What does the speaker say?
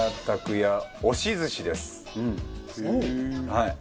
はい。